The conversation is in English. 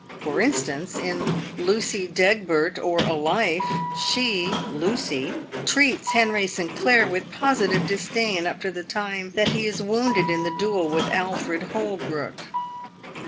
Tor instance, in " Lucy D'Egbert, or a Life," she (Lucy) treats Henry Sinclair with positive disdain up to the time that he is wounded in the duel with Alfred Holbrook.